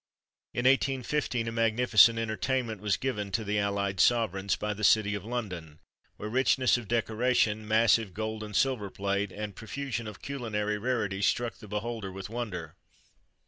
In 1815 a magnificent entertainment was given to the allied sovereigns by the city of London, where richness of decoration, massive gold and silver plate, and profusion of culinary rarities struck the beholder with wonder.